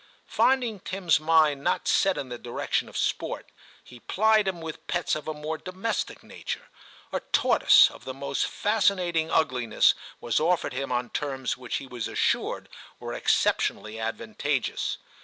Finding Tim's mind not set in the direction of sport, he plied him with pets of a more domestic nature ; a tortoise of the most fasci nating ugliness was offered him on terms which he was assured were exceptionally advantageous.